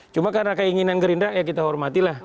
cuma karena keinginan gerindah ya kita hormati